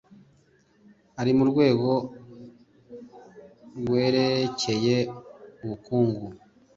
ari mu rwego rwerekeye ubukungu